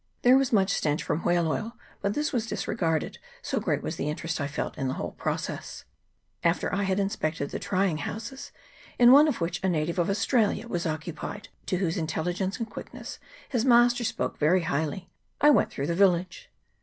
There was much stench from whale oil, but this was disregarded, so great was the interest I felt in the whole process. After I had inspected the trying houses, in one of which a native of Australia was occupied, of whose intelligence and quickness his master spoke very highly, I went through the village.